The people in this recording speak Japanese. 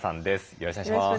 よろしくお願いします。